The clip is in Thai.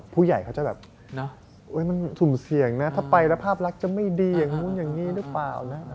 ผู้ใหญ่เขาจะแบบมันสุ่มเสี่ยงนะถ้าไปแล้วภาพลักษณ์จะไม่ดีอย่างนู้นอย่างนี้หรือเปล่านะ